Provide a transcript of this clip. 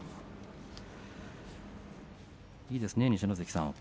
いいですね